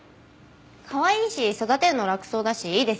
かわいいし育てるの楽そうだしいいですよね。